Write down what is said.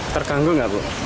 terkanggul nggak bu